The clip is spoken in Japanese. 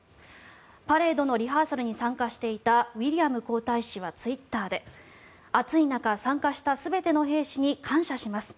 パレードのリハーサルに参加していたウィリアム皇太子はツイッターで暑い中参加した全ての兵士に感謝します